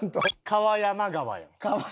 川山川や。